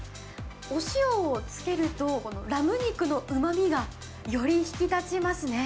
お塩をつけると、ラム肉のうまみがより引き立ちますね。